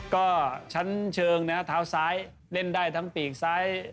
ก็ชั้นเชิงนะเท้าซ้ายเล่นได้ทั้งปีกซ้าย